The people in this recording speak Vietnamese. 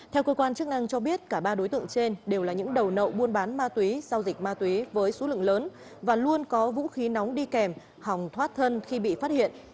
theo cơ quan chức năng cho biết cả ba đối tượng trên đều là những đầu nậu buôn bán ma túy giao dịch ma túy với số lượng lớn và luôn có vũ khí nóng đi kèm hòng thoát thân khi bị phát hiện